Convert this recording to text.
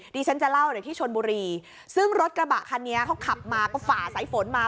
ที่ฉันจะเล่าหน่อยที่ชนบุรีซึ่งรถกระบะคันนี้เขาขับมาก็ฝ่าสายฝนมา